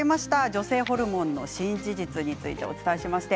女性ホルモンの新事実についてお伝えしました。